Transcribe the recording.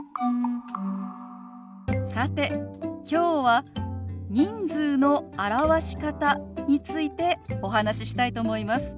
さてきょうは人数の表し方についてお話ししたいと思います。